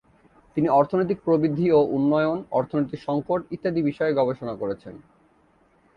তিনি অর্থনৈতিক প্রবৃদ্ধি ও উন্নয়ন, অর্থনীতির সংকট ইত্যাদি বিষয়ে গবেষণা করেছেন।